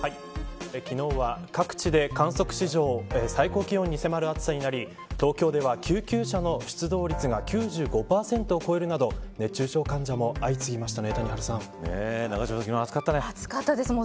昨日は各地で観測史上最高気温に迫る暑さになり東京では救急車の出動率が９５％を超えるなど永島さん、昨日暑かったね。